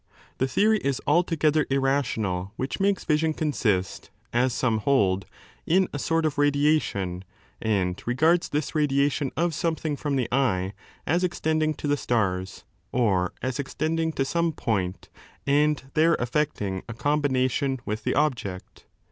The theory is altogether 14 irrational which makes vision consist, as some hold, in a sort of radiation, and regards this radiation of something from the eye as extending to the stars, or as extending to some point and there effecting a combination with the object.